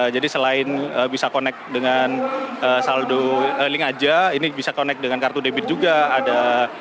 jadi selain bisa connect dengan saldo link saja ini bisa connect dengan kartu debit juga